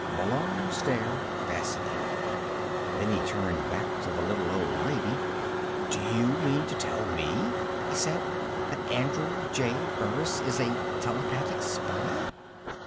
Malone stared, fascinated. Then he turned back to the little old lady. "Do you mean to tell me," he said, "that Andrew J. Burris is a telepathic spy?"